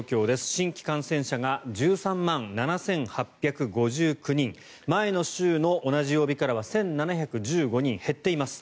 新規感染者が１３万７８５９人前の週の同じ曜日からは１７１５人減っています。